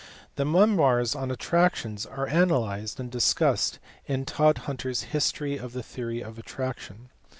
The memoirs on attractions are analyzed and discussed in Tod hunter s History of tJie Theories of Attraction.